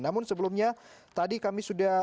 namun sebelumnya tadi kami sudah